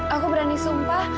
aku berani sumpah